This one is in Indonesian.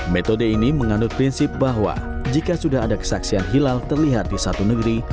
metode ini mengandung prinsip bahwa jika sudah ada kesaksian hilal terlihat di satu negeri